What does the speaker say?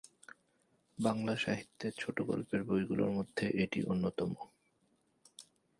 বাংলা সাহিত্যের ছোট গল্পের বইগুলোর মধ্যে এটি অন্যতম।